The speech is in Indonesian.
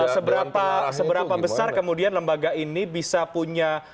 seberapa besar kemudian lembaga ini bisa punya